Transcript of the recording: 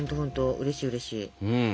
うれしいうれしい。